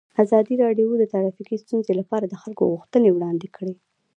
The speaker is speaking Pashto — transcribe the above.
ازادي راډیو د ټرافیکي ستونزې لپاره د خلکو غوښتنې وړاندې کړي.